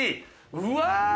うわ！